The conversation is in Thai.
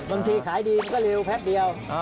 บางทีขายดีมันก็เร็วแพ็คเดียว